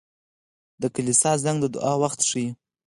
• د کلیسا زنګ د دعا وخت ښيي.